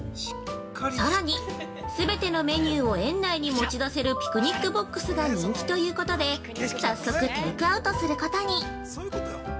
さらに、全てのメニューを園内に持ち出せるピクニックボックスが人気ということで、さっそくテイクアウトすることに。